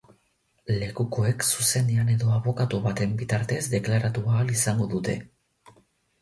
Lekukoek zuzenean edo abokatu baten bitartez deklaratu ahal izango dute.